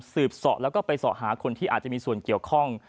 เสาะแล้วก็ไปสอบหาคนที่อาจจะมีส่วนเกี่ยวข้อง